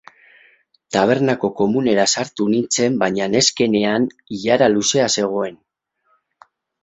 Tabernako komunera sartu nintzen baina neskenean ilara luzea zegoen.